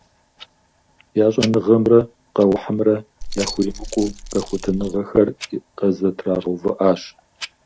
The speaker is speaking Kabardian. Я щӀэныгъэмрэ къэухьымрэ яхуримыкъуу къэхутэныгъэхэр къызэтрагъэувыӀащ.